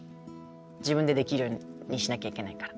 自分でできるようにしなきゃいけないから。